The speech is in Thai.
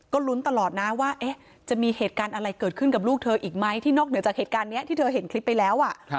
ก็ลุ้นตลอดนะว่าจะมีเหตุการณ์อะไรเกิดขึ้นกับลูกเธออีกไหมที่นอกเหนือจากเหตุการณ์นี้ที่เธอเห็นคลิปไปแล้ว